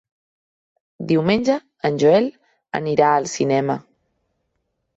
Diumenge en Joel anirà al cinema.